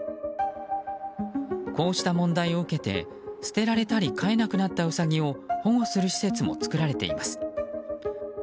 こうした問題を受けて捨てられたり飼えなくなったウサギを保護する施設も作られています。